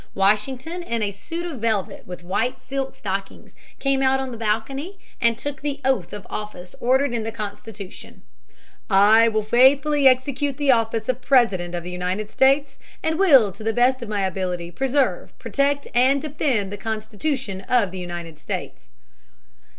Washington in a suit of velvet with white silk stockings came out on the balcony and took the oath of office ordered in the Constitution, "I will faithfully execute the office of President of the United States, and will to the best of my Ability preserve, protect, and defend the Constitution of the United States."